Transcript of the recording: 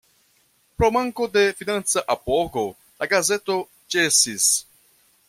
Pro manko de financa apogo la gazeto ĉesis.